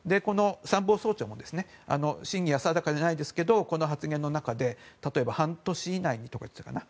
参謀総長も真偽は定かじゃないですけどこの発言の中で例えば半年以内と言ってたかな。